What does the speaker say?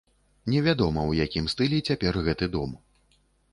Невядома, у якім стылі цяпер гэты дом.